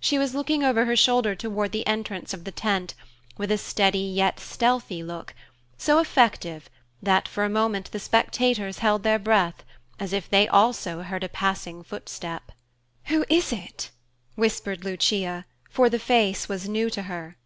She was looking over her shoulder toward the entrance of the tent, with a steady yet stealthy look, so effective that for a moment the spectators held their breath, as if they also heard a passing footstep. "Who is it?" whispered Lucia, for the face was new to her.